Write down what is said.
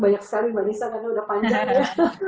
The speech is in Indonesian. banyak sekali mbak nisa karena udah panjang ya